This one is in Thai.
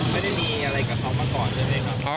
ไม่ได้มีอะไรกับเขามาต่อครับ